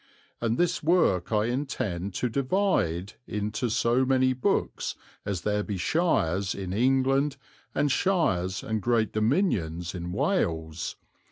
And this Worke I entende to divide yn to so many Bookes as there be Shires yn England and Sheres and greate Dominions in Wales.